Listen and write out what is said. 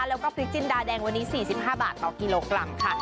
แล้วก็พริกจินดาแดงวันนี้๔๕บาทต่อกิโลกรัมค่ะ